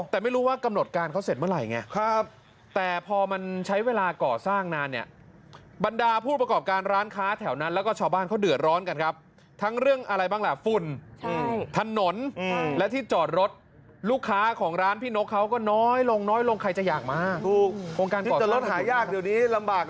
แต่ไม่รู้ว่ากำหนดการเขาเสร็จเมื่อไหร่นี่